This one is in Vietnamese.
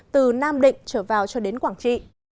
từ nam định trở vào cho đến quảng trị